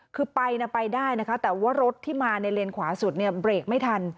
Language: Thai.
คือไปไปได้นะคะแต่ว่ารถที่มาในเลนขวาสุดเนี่ยเบรกไม่ทัน